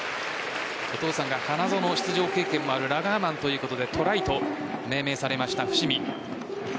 お父さんが花園出場経験もあるラガーマンということで寅威と命名されました、伏見。